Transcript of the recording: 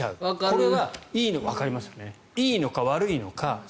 これはいいのか悪いのか。